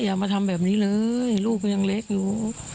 อย่ามาทำแบบนี้เลยลูกก็ยังเล็กอยู่